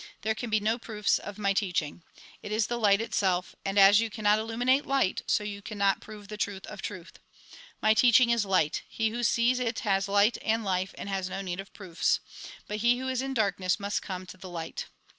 There can be no proofs of my teaching. It is the light itself, and as you cannot illuminate light, so you cannot prove the truth of truth. My teaching is light ; he who sees it has light and life, and has no need of proofs. But he who is in darkness, must come to the light."